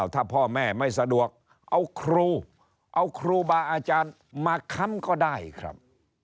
ถ้าพ่อแม่ไม่สะดวกเอาครูเอาครูบาอาจารย์มาค้ำก็ได้ครับ